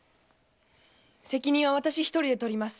責任は私一人でとります。